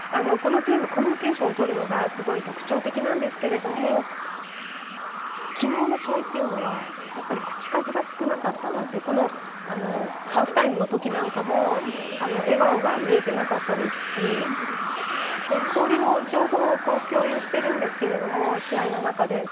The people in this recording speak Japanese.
このチーム、コミュニケーションをとるのがすごい特徴的なんですけれども、昨日の試合は口数が少なかったなと、ハーフタイムの時なんかも笑顔が見えていなかったですし、氷の情報を共有しているんですけれども試合の中で。